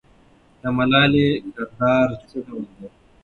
د ملالۍ کردار څه ډول دی؟